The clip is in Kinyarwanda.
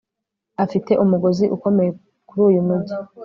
Afite umugozi ukomeye kuri uyu mujyi